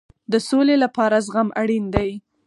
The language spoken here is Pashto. د سولې لپاره زغم اړین دی